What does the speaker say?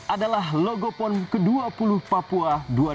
adalah logo pon ke dua puluh papua dua ribu dua puluh satu